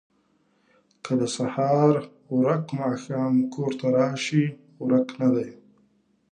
ـ که د سهار ورک ماښام کور ته راشي ورک نه دی